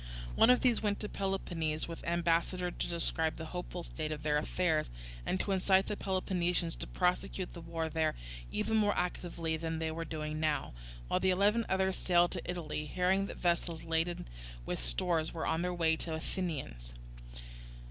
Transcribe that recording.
One of these went to Peloponnese with ambassadors to describe the hopeful state of their affairs, and to incite the Peloponnesians to prosecute the war there even more actively than they were now doing, while the eleven others sailed to Italy, hearing that vessels laden with stores were on their way to the Athenians.